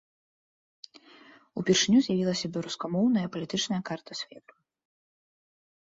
Упершыню з'явілася беларускамоўная палітычная карта свету.